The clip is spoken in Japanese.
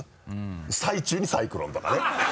最中にサイクロンとかね。